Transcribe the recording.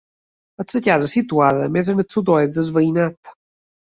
És la casa situada més al sud-oest del veïnat.